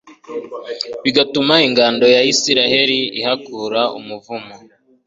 bigatuma ingando ya israheli ihakura umuvumo